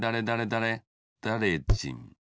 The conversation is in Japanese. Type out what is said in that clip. だれだれじん。